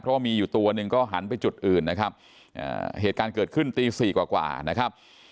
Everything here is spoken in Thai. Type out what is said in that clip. เพราะว่ามีอยู่ตัวหนึ่งก็หันไปจุดอื่นนะครับเหตุการณ์เกิดขึ้นตีสี่กว่านะครับ